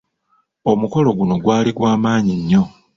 Omukolo guno gwali gwa maanyi nnyo.